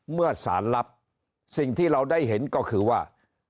เมื่อสารรับสิ่งที่เราได้เห็นก็คือว่า